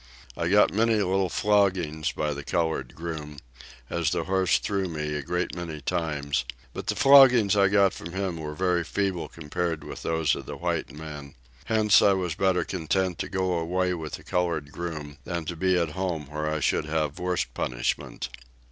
I got many little floggings by the colored groom, as the horse threw me, a great many times, but the floggings I got from him were very feeble compared with those of the white man; hence I was better content to go away with the colored groom than to be at home where I should have worse punishment.